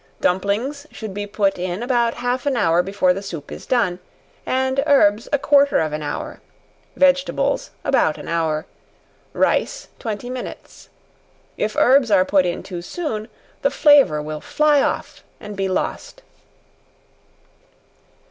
Dumplings should be put in about half an hour before the soup is done, and herbs a quarter of an hour vegetables, about an hour, rice, twenty minutes. If herbs are put in too soon, the flavor will fly off and be lost.